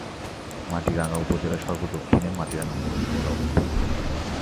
মাটিরাঙ্গা উপজেলার সর্ব-দক্ষিণে মাটিরাঙ্গা পৌরসভার অবস্থান।